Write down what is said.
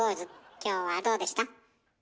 今日はどうでした？